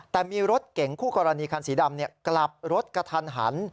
แต่มีรถเก่งคู่กรณีคันสีดำกลับรถกระทันหัน